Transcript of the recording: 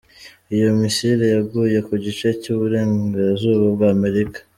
Iyo missile yaguye ku gice cy’ uburengerazuba bw’ Amerika.